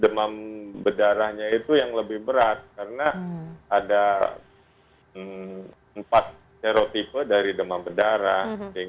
demam berdarahnya itu yang lebih berat karena ada empat serotipe dari demam berdarah